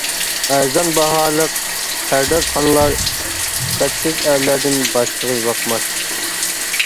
ئەرزان باھالىق پەردازخانىلار، ئىپپەتسىز ئەرلەردىن باشقىغا باقماس.